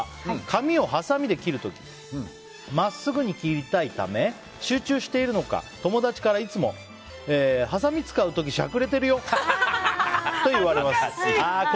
紙をはさみで切る時真っすぐに切りたいため集中しているのか友達からいつも、はさみ使う時恥ずかしい。